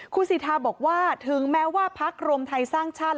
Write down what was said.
คุณสิทธาบอกว่าถึงแม้ว่าพักรวมไทยสร้างชาติ